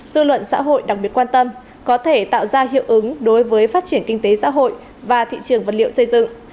dư luận xã hội đặc biệt quan tâm có thể tạo ra hiệu ứng đối với phát triển kinh tế xã hội và thị trường vật liệu xây dựng